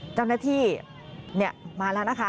เจ้าหน้าที่มาแล้วนะคะ